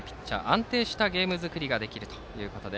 安定したゲーム作りができるということで